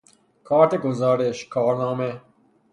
کارت گزارش، کارنامه